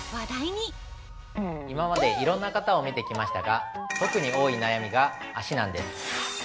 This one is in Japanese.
◆今までいろんな方を見てきましたが、特に多い悩みが脚なんです。